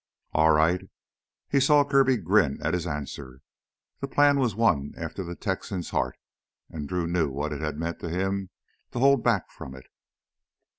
"All right." He saw Kirby grin at his answer. The plan was one after the Texan's heart, and Drew knew what it had meant to him to hold back from it.